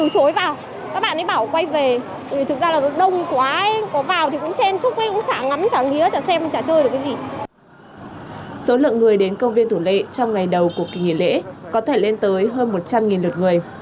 số lượng người đến công viên thủ lệ trong ngày đầu của kỳ nghỉ lễ có thể lên tới hơn một trăm linh lượt người